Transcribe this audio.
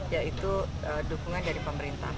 yaitu dukungan dari pemerintah